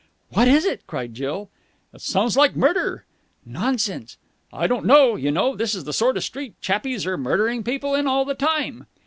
"What is it?" cried Jill. "It sounds like a murder!" "Nonsense!" "I don't know, you know. This is the sort of street chappies are murdering people in all the time."